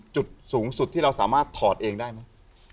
จุดสูงสุดที่เราสามารถถอดเองได้ไหม